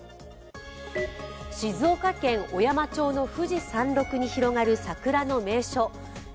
静岡県小山町の富士山麓に広がる桜の名所。